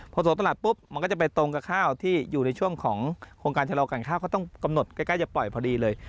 พอสวนตลาดปุ๊บมันก็จะไปตรงกับข้าวที่อยู่ในช่วงของโครงการชะลอการข้าวก็ต้องกำหนดใกล้จะปล่อยพอดีเลย